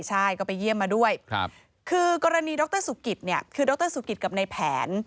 ใช่ก็ไปเยี่ยมมาด้วยคือกรณีดรสุกิตเนี่ยคือดรสุกิตกับในแผน